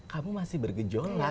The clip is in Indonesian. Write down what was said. kamu masih bergejolak gitu